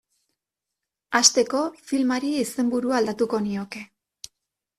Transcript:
Hasteko, filmari izenburua aldatuko nioke.